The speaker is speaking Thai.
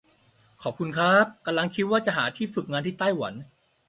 ขอบคุณค้าบ กำลังคิดว่าจะหาที่ฝึกงานที่ไต้หวัน